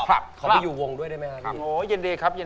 ขอไปอยู่วงด้วยได้ไหมครับพี่